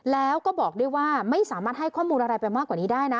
แล้วก็บอกด้วยว่าไม่สามารถให้ข้อมูลอะไรไปมากกว่านี้ได้นะ